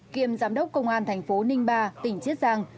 kiêm giám đốc công an thành phố ninh ba tỉnh chiết giang